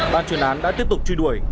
ban chuyển án đã tiếp tục truy đuổi